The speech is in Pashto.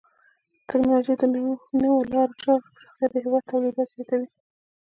د ټکنالوژۍ د نوو لارو چارو پراختیا د هیواد تولیداتو زیاتوي.